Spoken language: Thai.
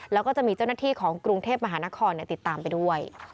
แล้วก็จะมีเจ้าหน้าที่ของกรุงเทพมหานครติดตามไปด้วย